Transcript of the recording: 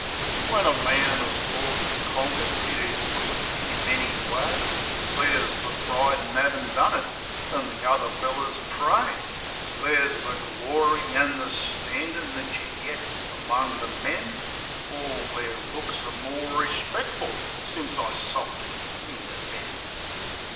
When a man has fought an' conquered it is good in many ways : There's the pride in havin' done it, an' the other fellows' praise; There's the glory an' the standin' that you get among the men — All their looks are more respectful since I socked it into Ben.